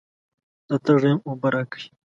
زه تږی یم، اوبه راکئ.